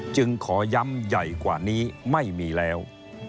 จึงขอย้ำใหญ่กว่านี้ไม่มีแล้ว